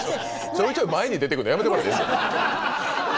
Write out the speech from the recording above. ちょいちょい前に出てくるのやめてもらっていいですか。